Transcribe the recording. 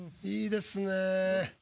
いいですね。